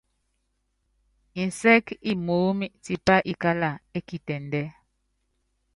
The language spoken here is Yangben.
Nsɛɛ́k imoóní tipá ikála ɛ́ kitɛndɛ́.